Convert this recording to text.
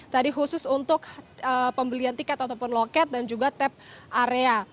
tadi khusus untuk pembelian tiket ataupun loket dan juga tap area